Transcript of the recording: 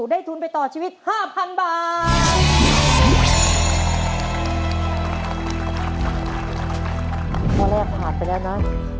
ก็ค่อยจากก้าวแรกผ่าไปแล้วนะ